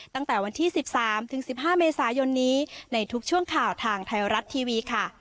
ตั้งแต่วันที่สิบสามถึงสิบห้าเมษายนนี้ในทุกช่วงข่าวทางไทยรัฐทีวีค่ะ